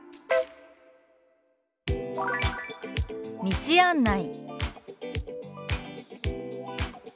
「道案内」。